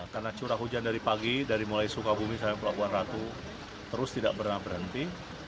karena curah hujan dari pagi dari mulai sukabumi sampai pulau buar ratu terus tidak pernah berhenti